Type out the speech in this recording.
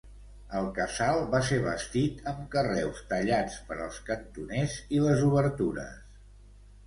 El casal va ser bastit amb carreus tallats per als cantoners i les obertures.